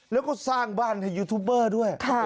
แล้วก็สร้างบ้านให้ยูทูบเบอร์ด้วย